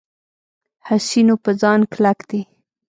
حسینو په ځان کلک دی.